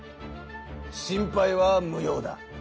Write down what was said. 心配はむ用だ。